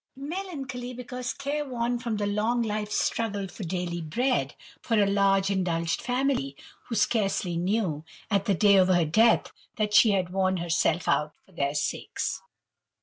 Melancholy, because care worn from the long life's struggle for daily bread, for a large indulged family, who scarcely knew, at the day of her death, that she had worn herself out for their sakes.